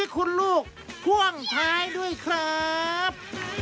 คุณลูกพ่วงท้ายด้วยครับ